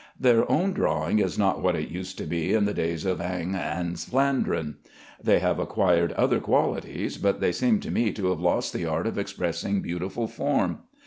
Their own drawing is not what it used to be in the days of Ingres and Flandrin. They have acquired other qualities, but they seem to me to have lost the art of expressing beautiful form.